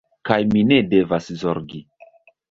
Kaj mi ne devas zorgi.